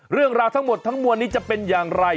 เรื่องราวทั้งหมดทั้งมวลนี้จะเป็นอย่างไร